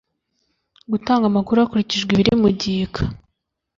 gutanga amakuru hakurikijwe ibiri mu gika